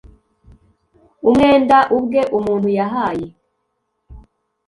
umwenda ubwe umuntu yahaye